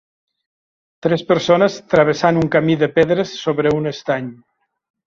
Tres persones travessant un camí de pedres sobre un estany.